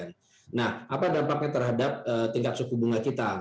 nah apa dampaknya terhadap tingkat suku bunga kita